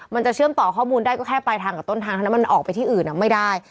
มันจะเชื่อมต่อข้อมูลได้ก็แค่ปลายทางกับต้นทางเท่านั้นมันออกไปที่อื่นไม่ได้